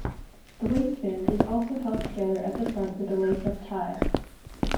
The waistband is also held together at the front with a lace-up tie.